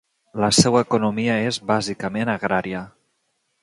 La seua economia és bàsicament agrària.